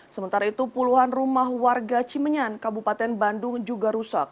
sementara itu puluhan rumah warga cimenyan kabupaten bandung juga rusak